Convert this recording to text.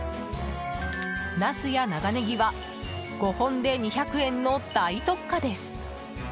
ナスや長ネギは５本で２００円の大特価です。